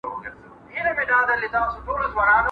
¬ پر کچه بوک نه کوي.